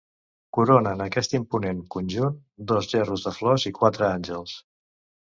Coronen aquest imponent conjunt dos gerros de flors i quatre àngels.